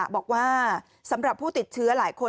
บอกว่าสำหรับผู้ติดเชื้อหลายคน